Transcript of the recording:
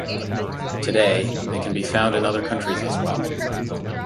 Today, they can be found in other countries as well.